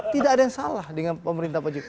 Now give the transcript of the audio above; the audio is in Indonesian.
tidak ada yang salah dengan pemerintah pak jokowi